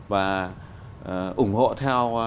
và ủng hộ theo